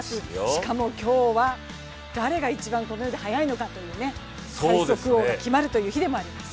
しかも今日は誰が一番この世で速いのかという最速を決める日でもあります。